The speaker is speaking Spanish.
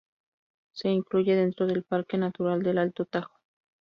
Se incluye dentro del parque natural del Alto Tajo.